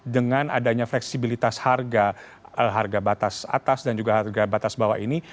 dengan adanya fleksibilitas harga harga batas atas dan juga harga batas bawah ini